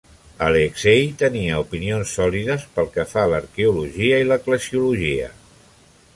Alexei tenia opinions sòlides pel que fa a l'arqueologia i l'eclesiologia.